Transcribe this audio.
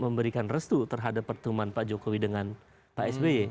memberikan restu terhadap pertemuan pak jokowi dengan pak sby